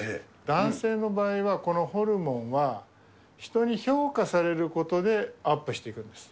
男性の場合は、このホルモンは、人に評価されることでアップしていくんです。